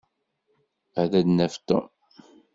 Ad d-naf Tom.